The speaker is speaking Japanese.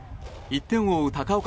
１点を追う高岡